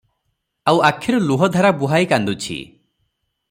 ଆଉ ଆଖିରୁ ଲୁହ ଧାରା ବୁହାଇ କାନ୍ଦୁଛି ।